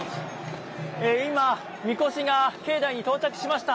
今、みこしが境内に到着しました。